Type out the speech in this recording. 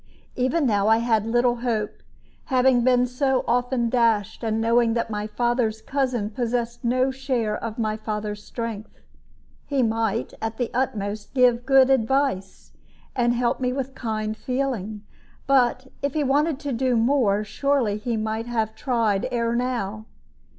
Even, now I had little hope, having been so often dashed, and knowing that my father's cousin possessed no share of my father's strength. He might, at the utmost, give good advice, and help me with kind feeling; but if he wanted to do more, surely he might have tried ere now.